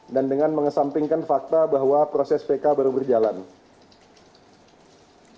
satu menyampaikan keprihatinan dan protes terhadap eksekusi yang dilakukan tanpa notifikasi